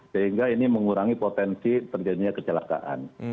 sehingga ini mengurangi potensi terjadinya kecelakaan